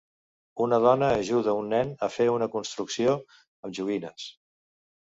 Una dona ajuda un nen a fer una construcció amb joguines